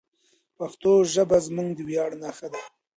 پښتو ژبه زموږ د ویاړ نښه ده.